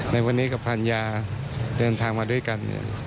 ในวันนี้กับภรรยาเดินทางมาด้วยกันเนี่ย